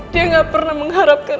dia gak pernah mengharapkan